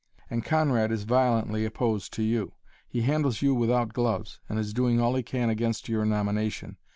And Conrad is violently opposed to you. He handles you without gloves, and is doing all he can against your nomination.